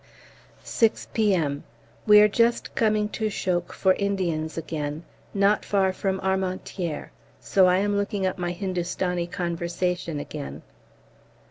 6 P.M. We are just coming to Chocques for Indians again, not far from Armentières, so I am looking up my Hindustani conversation again.